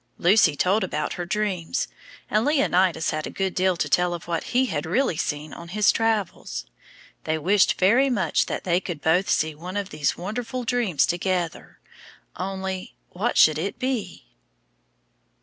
Lucy told about her dreams, and Leonidas had a good deal to tell of what he had really seen on his travels. They wished very much that they could both see one of these wonderful dreams together, only what should it be?